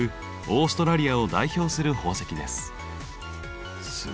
オーストラリアを代表する宝石です。